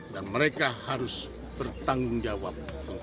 dan mereka harus bertanggung jawab